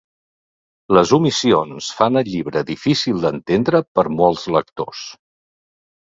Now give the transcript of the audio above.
Les omissions fan el llibre difícil d'entendre per molts lectors.